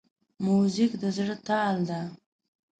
موزیک د زړه تال ده.